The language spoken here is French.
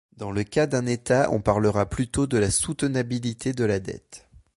Dans le cas d'un État on parlera plutôt de la soutenabilité de la dette.